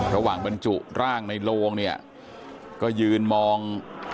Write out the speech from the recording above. บรรจุร่างในโลงเนี่ยก็ยืนมอง